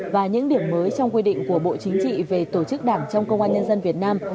và những điểm mới trong quy định của bộ chính trị về tổ chức đảng trong công an nhân dân việt nam